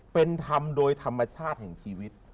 เป็นทำโดยธรรมชาติแห่งชีวิต